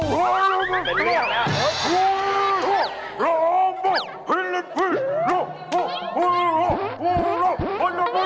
เฮ้ยวันนี้เจ๊จ้างฉีหลงมาให้พวกเราดูเหรอ